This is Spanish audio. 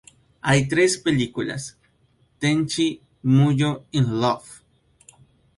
Hay tres películas: "Tenchi Muyō in Love!